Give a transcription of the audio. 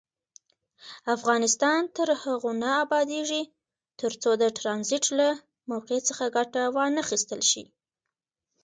افغانستان تر هغو نه ابادیږي، ترڅو د ټرانزیټ له موقع څخه ګټه وانخیستل شي.